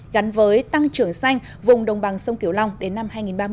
gắn với tăng trưởng xanh vùng đồng bằng sông kiều long đến năm hai nghìn ba mươi